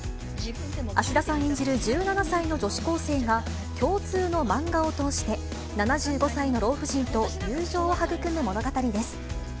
１７歳の女子高生が、共通の漫画を通して、７５歳の老婦人と友情をはぐくむ物語です。